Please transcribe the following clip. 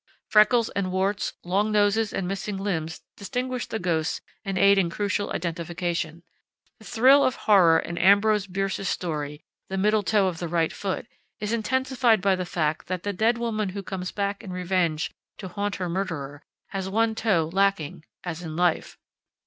Freckles and warts, long noses and missing limbs distinguish the ghosts and aid in crucial identification. The thrill of horror in Ambrose Bierce's story, The Middle Toe of the Right Foot, is intensified by the fact that the dead woman who comes back in revenge to haunt her murderer, has one toe lacking as in life.